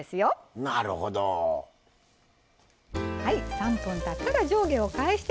３分たったら上下を返して下さい。